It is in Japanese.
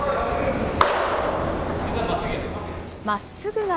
まっすぐで。